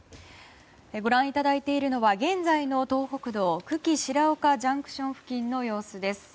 ご覧いただいているのは現在の東北道久喜白岡ＪＣＴの様子です。